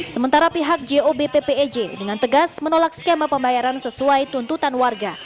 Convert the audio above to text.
sementara pihak job ppej dengan tegas menolak skema pembayaran sesuai tuntutan warga